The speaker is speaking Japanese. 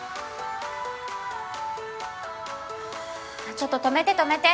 ちょっと止めて止めて。